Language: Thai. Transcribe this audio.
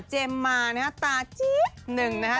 เจมมานะครับตาจี้๊กหนึ่งนะฮะ